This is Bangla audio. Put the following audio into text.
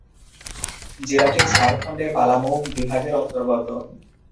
জেলাটি ঝাড়খণ্ডের পালামৌ বিভাগের অন্তর্গত।